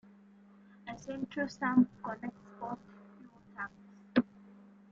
A central sump connects both fuel tanks.